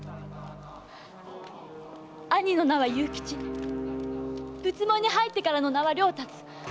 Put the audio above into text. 兄の名は「勇吉」仏門に入ってからの名は「了達」。